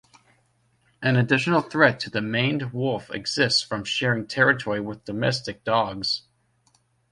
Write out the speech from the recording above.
An additional threat to the maned wolf exists from sharing territory with domestic dogs.